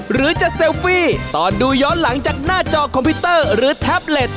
หรือจะเซลฟี่ตอนดูย้อนหลังจากหน้าจอคอมพิวเตอร์หรือแท็บเล็ต